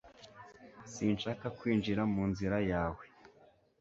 sinshaka kwinjira mu nzira yawe